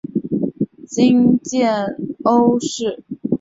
在今建瓯市。